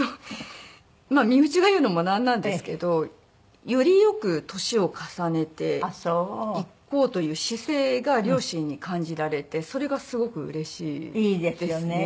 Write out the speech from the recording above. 身内が言うのもなんなんですけどよりよく年を重ねていこうという姿勢が両親に感じられてそれがすごくうれしいですね。